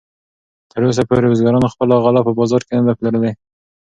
تراوسه پورې بزګرانو خپله غله په بازار کې نه ده پلورلې.